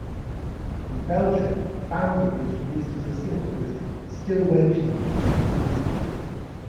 In Belgium, "Bambi" was released as a single with "Still Waiting" as the B-side.